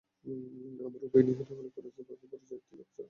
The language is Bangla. আমরা উভয়ে নিহত হলে কুরাইশদের ভাগ্যে পরাজয়ের তিলক ছাড়া আর কিছুই জুটবে না।